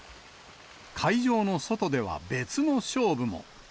会場の外では別の勝負も。